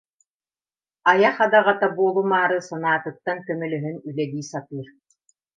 Айах адаҕата буолумаары санаатыттан көмөлөһөн үлэлии сатыыр.